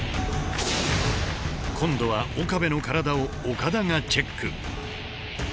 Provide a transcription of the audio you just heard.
今度は岡部の体を岡田がチェック。